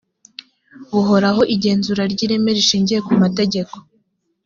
buhoraho igenzura ry ireme rishingira kumategeko